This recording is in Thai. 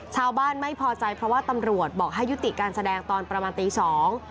ชาวบ้านไม่พอใจเพราะว่าตำรวจบอกให้ยุติการแสดงตอนประมาณตีสอง